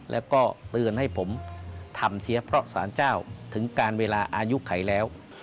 แล้วก็เตือนให้ผมทำเสียเพราะสารเจ้าถึงการเวลาอายุไขแล้ว